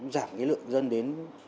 giảm lượng dân đến